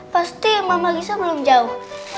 pasti mama gisa belum jauh